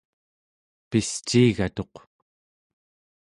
pisciigatuq